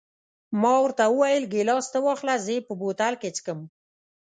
ما ورته وویل: ګیلاس ته واخله، زه یې په بوتل کې څښم.